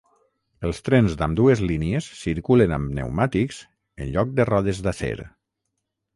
Els trens d'ambdues línies circulen amb pneumàtics en lloc de rodes d'acer.